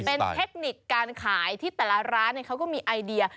เป็นเทคนิคการขายที่แต่ละร้านเขาก็มีไอเดีย